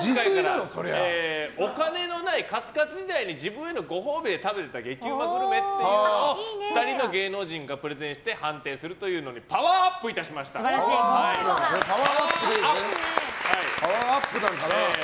お金のないカツカツ時代に自分へのご褒美で食べていた激うまグルメというのを２人の芸能人がプレゼンするというのにパワーアップなのかな？